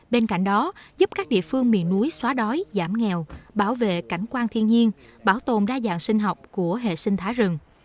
bên cạnh đó giúp các địa phương miền núi xóa đói giảm nghèo bảo vệ cảnh quan thiên nhiên bảo tồn đa dạng sinh học của hệ sinh thái rừng